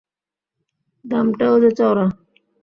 দামটাও যে চওড়া।